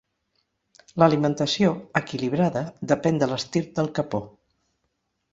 L'alimentació, equilibrada, depèn de l'estirp del capó.